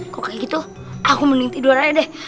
kok kayak gitu aku mending tidur aja deh